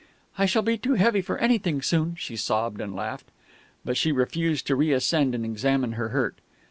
"I shall be too heavy for anything soon," she sobbed and laughed. But she refused to reascend and to examine her hurt.